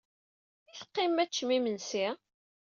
I teqqimem ad teččem imensi?